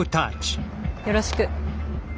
よろしく。